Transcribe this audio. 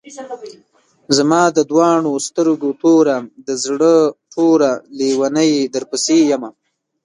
زما د دواڼو سترګو توره، د زړۀ ټوره لېونۍ درپسې يمه